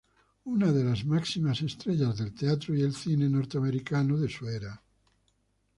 Una de las máximas estrellas del teatro y cine norteamericanos de su era.